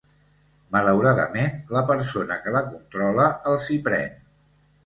Malauradament la persona que la controla els hi pren.